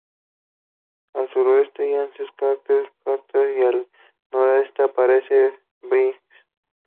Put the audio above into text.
Al suroeste yace el cráter Krafft y al noroeste aparece Briggs.